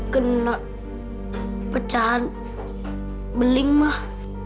kena pecahan beling mah